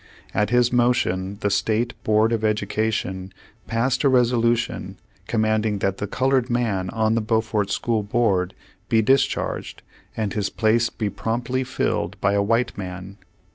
At his motion, the State Board of Education passed a resolution commanding that the colored man on the Beaufort School Board, be discharged, and his place be promptly filled by a white man.